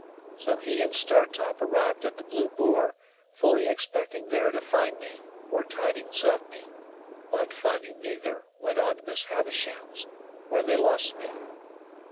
So he and Startop arrived at the Blue Boar, fully expecting there to find me, or tidings of me; but, finding neither, went on to Miss Havisham's, where they lost me.